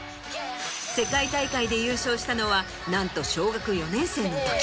世界大会で優勝したのはなんと小学４年生の時。